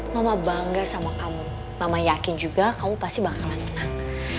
mama bangga sama kamu mama yakin juga kamu pasti bakalan enak